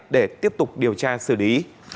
để tiếp tục điều tra xử lý